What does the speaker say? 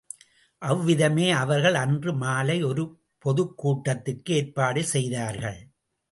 அவ்விதமே அவர்கள் அன்று மாலை ஒரு பொதுக் கூட்டத்துக்கு ஏற்பாடு செய்தார்கள்.